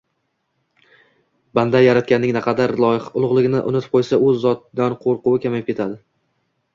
Banda Yaratganning naqadar ulug‘ligini unutib qo‘ysa, U Zotdan qo‘rquvi kamayib ketadi.